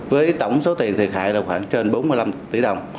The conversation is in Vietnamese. với tổng số tiền thiệt hại là khoảng trên bốn mươi năm tỷ đồng